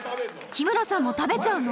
日村さんも食べちゃうの？